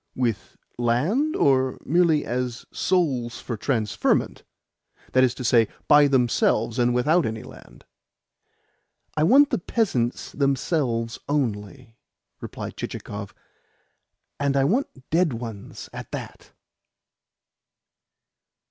"With land, or merely as souls for transferment that is to say, by themselves, and without any land?" "I want the peasants themselves only," replied Chichikov. "And I want dead ones at that."